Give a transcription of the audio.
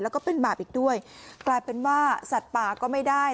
แล้วก็เป็นบาปอีกด้วยกลายเป็นว่าสัตว์ป่าก็ไม่ได้